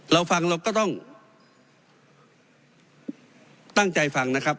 เราฟังเราก็ต้องตั้งใจฟังนะครับ